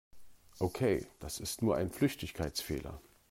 Okay, das ist nur ein Flüchtigkeitsfehler.